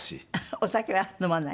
お酒は飲まない？